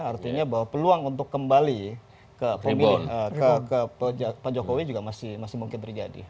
artinya bahwa peluang untuk kembali ke pak jokowi juga masih mungkin terjadi